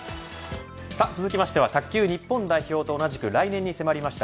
続きましては卓球日本代表と同じく来年に迫りました